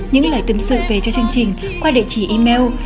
những lời tâm sự về cho chương trình qua địa chỉ email